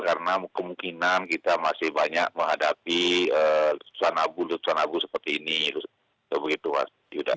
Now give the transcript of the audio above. karena kemungkinan kita masih banyak menghadapi susuan abu susan abu seperti ini